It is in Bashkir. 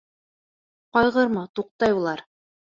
Ҡайғырма, туҡтай улар.